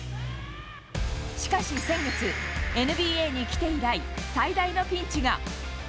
しかし先月、ＮＢＡに来て以来、最大のピンチが。